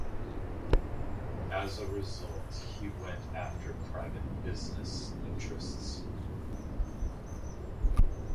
As a result, he went after private business interests.